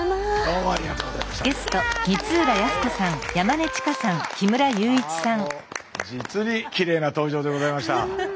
あもうじつにきれいな登場でございました。